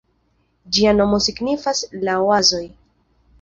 Ĝia nomo signifas "la oazoj".